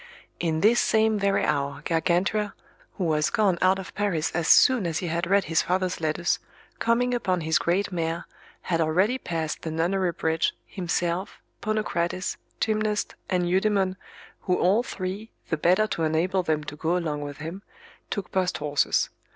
In this same very hour Gargantua, who was gone out of Paris as soon as he had read his father's letters, coming upon his great mare, had already passed the Nunnery bridge, himself, Ponocrates, Gymnast, and Eudemon, who all three, the better to enable them to go along with him, took post horses.